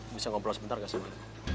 bisa ngobrol sebentar ga sendiri